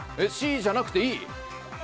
Ｃじゃなくていい？